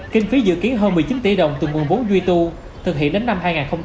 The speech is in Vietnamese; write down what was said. kinh phí dự kiến hơn một mươi chín tỷ đồng từ nguồn bốn g hai thực hiện đến năm hai nghìn hai mươi bốn